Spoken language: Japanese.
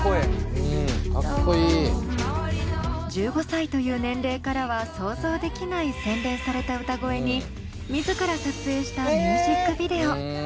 １５歳という年齢からは想像できない洗練された歌声に自ら撮影したミュージックビデオ。